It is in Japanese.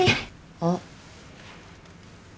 あっ。